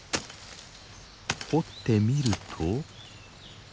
掘ってみると。